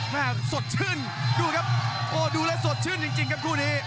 สดชื่นดูครับโอ้ดูแล้วสดชื่นจริงครับคู่นี้